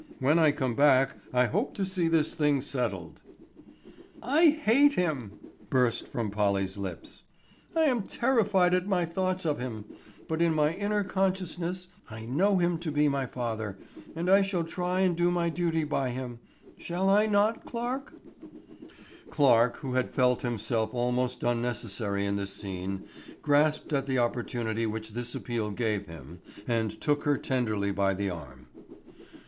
When I come back I hope to see this thing settled." "I hate him," burst from Polly's lips. "I am terrified at my thoughts of him, but in my inner consciousness I know him to be my father, and I shall try and do my duty by him; shall I not, Clarke?" Clarke, who had felt himself almost unnecessary in this scene, grasped at the opportunity which this appeal gave him and took her tenderly by the arm.